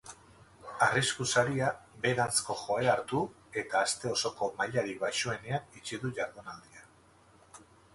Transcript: Arrisku-saria beheranzko joera hartu eta aste osoko mailarik baxuenean itxi du jardunaldia.